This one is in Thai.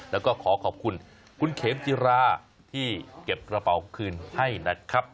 แล้วก็ขอขอบคุณคุณเขมจิราที่เก็บกระเป๋าคืนให้นะครับ